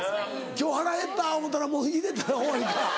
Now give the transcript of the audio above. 「今日腹へった」思ったらもう入れたら終わりか。